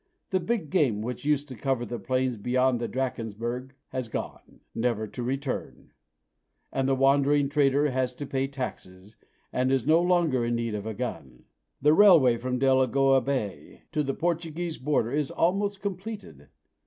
The "big game" which used to cover the plains beyond the Drachensberg has gone, never to return; and the wandering trader has to pay taxes, and is no longer in need of a gun. The railway from Delagoa Bay to the Portuguese border is almost completed.